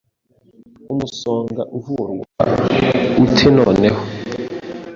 Umusonga uvurwa ute noneho?